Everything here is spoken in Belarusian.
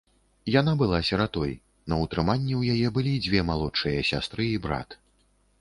Яна была сіратой, на ўтрыманні ў яе былі дзве малодшыя сястры і брат.